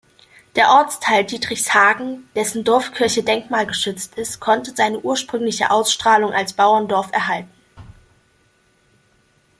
Der Ortsteil Diedrichshagen, dessen Dorfkirche denkmalgeschützt ist, konnte seine ursprüngliche Ausstrahlung als Bauerndorf erhalten.